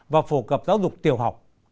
và phổ cập giáo dục tiểu học